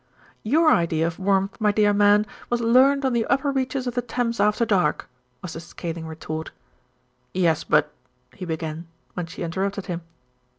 "Your idea of warmth, my dear man, was learnt on the upper reaches of the Thames after dark," was the scathing retort. "Yes, but " he began, when she interrupted him.